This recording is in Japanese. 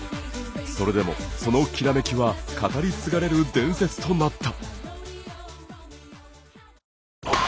それでも、そのきらめきは語り継がれる伝説となった。